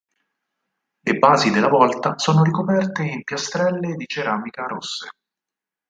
Le basi della volta sono ricoperte in piastrelle di ceramica rosse.